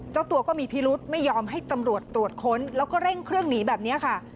เจ้าตัวก็มีพิรุธไม่ยอมให้ตำรวจตรวจค้นแล้วก็เร่งเครื่องหนีแบบนี้ค่ะ